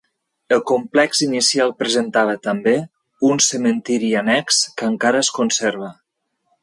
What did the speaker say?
El complex inicial presentava, també, un cementiri annex que encara es conserva.